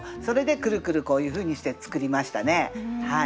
それでくるくるこういうふうにして作りましたね。